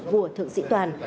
vua thượng sĩ toàn